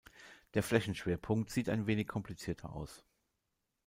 Der Flächenschwerpunkt sieht ein wenig komplizierter aus.